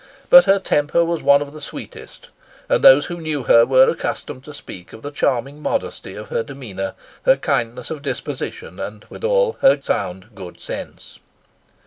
But her temper was one of the sweetest; and those who knew her were accustomed to speak of the charming modesty of her demeanour, her kindness of disposition, and withal her sound good sense.